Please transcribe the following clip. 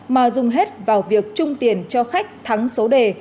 mà dùng hết vào việc trung tiền cho khách thắng số đề